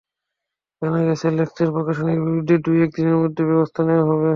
জানা গেছে, লেকচার প্রকাশনীর বিরুদ্ধে দু-এক দিনের মধ্যে ব্যবস্থা নেওয়া হবে।